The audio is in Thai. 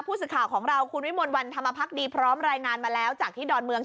ผู้สื่อข่าวของเราคุณวิมลวันธรรมพักดีพร้อมรายงานมาแล้วจากที่ดอนเมือง